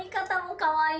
かわいい。